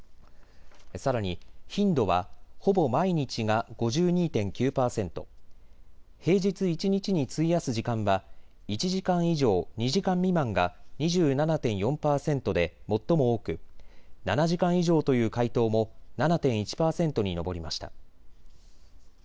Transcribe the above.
さらに頻度は、ほぼ毎日が５２．９％、平日一日に費やす時間は１時間以上２時間未満が２７．４％で最も多く、７時間以上という回答も７．１％に上りました。